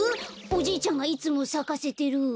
おじいちゃんがいつもさかせてる。